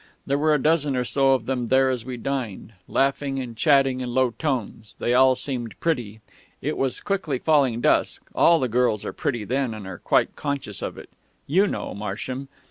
There were a dozen or so of them there as we dined, laughing and chatting in low tones they all seemed pretty it was quickly falling dusk all the girls are pretty then, and are quite conscious of it you know, Marsham.